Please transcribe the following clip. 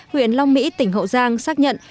huyện long mỹ tỉnh hậu giang xác nhận